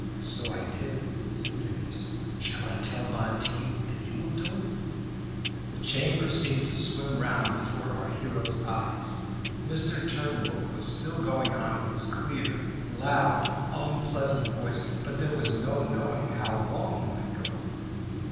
"So I did," said Phineas. "Shall I tell Bonteen that you will do it?" The chamber seemed to swim round before our hero's eyes. Mr. Turnbull was still going on with his clear, loud, unpleasant voice, but there was no knowing how long he might go on.